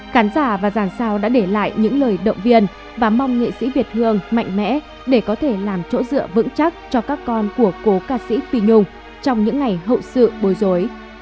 khán giả và giàn sao đã để lại những lời động viên và mong nghệ sĩ việt hương mạnh mẽ để có thể làm chỗ dựa vững chắc cho các con của cố ca sĩ pi nhung trong những ngày hậu sự bồi dối